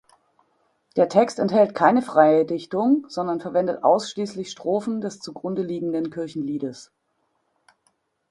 Der Text enthält keine freie Dichtung, sondern verwendet ausschließlich Strophen des zugrunde liegenden Kirchenliedes.